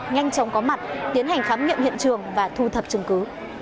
nhanh chóng có mặt tiến hành khám nghiệm hiện trường và thu thập chứng cứ